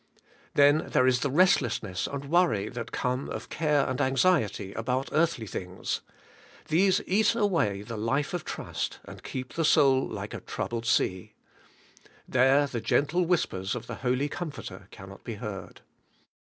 Then there is the restlessness and worry that come of care and anxiety about earthly things; these eat away the life of trust, and keep the soul like a troubled sea. There the gentle whispers of the Holy Comforter can not be heard.